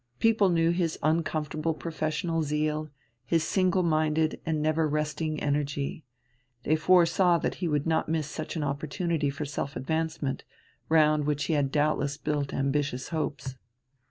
People knew his uncomfortable professional zeal, his single minded and never resting energy. They foresaw that he would not miss such an opportunity for self advancement, round which he had doubtless built ambitious hopes.